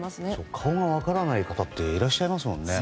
顔が分からない方っていらっしゃいますものね。